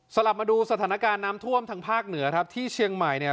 กลับมาดูสถานการณ์น้ำท่วมทางภาคเหนือครับที่เชียงใหม่เนี่ย